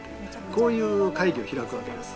こういう会議を開くわけです。